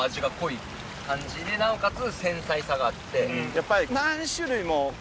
やっぱり。